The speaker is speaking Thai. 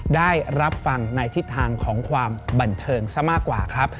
ได้รับฟังในทิศทางของความบันเทิงซะมากกว่าครับ